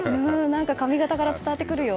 髪形から伝わってくるよ。